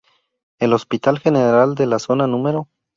El Hospital General de Zona No.